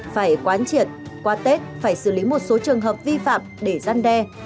phải quán triệt qua tết phải xử lý một số trường hợp vi phạm để gian đe